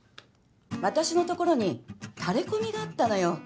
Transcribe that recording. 私のところにタレコミがあったのよ